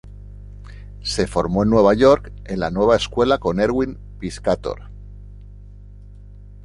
Se formó en Nueva York en La Nueva Escuela con Erwin Piscator.